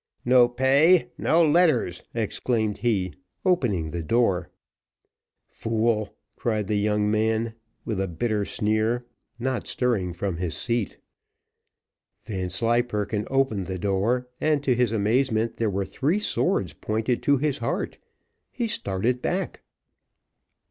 "No pay, no letters!" exclaimed he, opening the door. "Fool!" cried the young man with a bitter sneer, not stirring from his seat. Vanslyperken opened the door, and to his amazement there were three swords pointed to his heart. He started back.